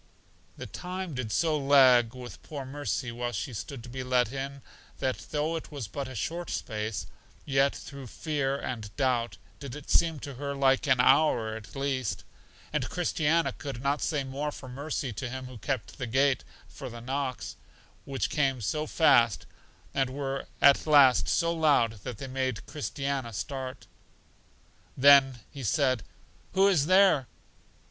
The time did so lag with poor Mercy while she stood to be let in, that though it was but a short space, yet through fear and doubt did it seem to her like an hour at least; and Christiana could not say more for Mercy to Him who kept the gate for the knocks, which came so fast, and were at last so loud that they made Christiana start. Then He said, Who is there?